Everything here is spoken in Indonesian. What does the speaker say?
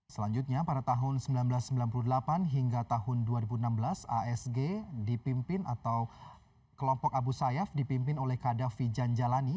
selanjutnya pada tahun seribu sembilan ratus sembilan puluh delapan hingga tahun dua ribu enam belas asg dipimpin atau kelompok abu sayyaf dipimpin oleh kadafi janjalani